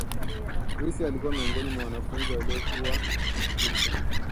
Chris alikuwa miongoni mwa wanafunzi waliokuwa na akili sana